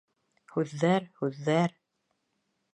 Һүҙҙәр, һүҙҙәр...